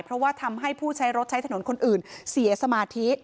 เพราะว่าทำให้ผู้ใช้รถใช้ถนนคนอื่นเสียสมาธิ